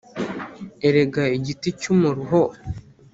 erega igiti cy’umuruho